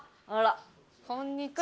こんにちは。